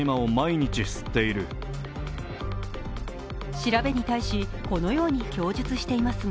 調べに対しこのように供述していますが、